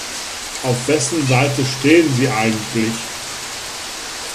Auf wessen Seite stehen Sie eigentlich?